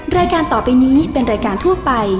รายการต่อไปนี้เป็นรายการทั่วไป